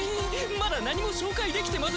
まだ何も紹介できてませ。